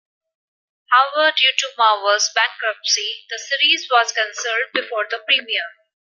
However, due to Marvel's bankruptcy the series was canceled before the premiere.